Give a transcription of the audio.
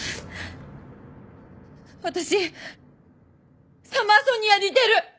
私サマーソニアに出る！